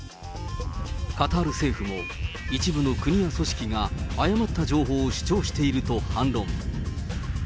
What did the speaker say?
カタール政府も一部の国や組織が誤った情報を主張していると反論。